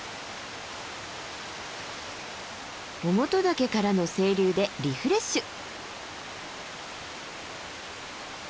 於茂登岳からの清流でリフレッシュ。